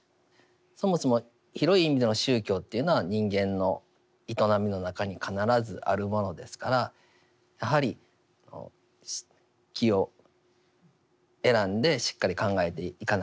そもそも広い意味での宗教というのは人間の営みの中に必ずあるものですからやはり機を選んでしっかり考えていかなければならない。